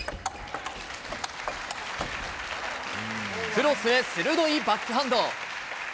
クロスへ鋭いバックハンド。